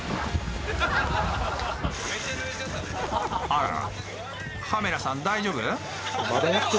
あら、カメラさん大丈夫？